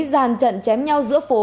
giàn trận chém nhau giữa phố